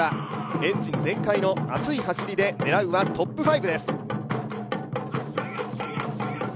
エンジン全開の熱い走りで狙うはトップ５です。